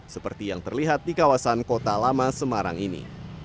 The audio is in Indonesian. seperti yang terlihat di kawasan kota lama semarang ini